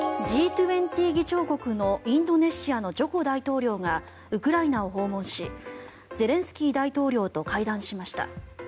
Ｇ２０議長国のインドネシアのジョコ大統領がウクライナを訪問しゼレンスキー大統領と会談しました。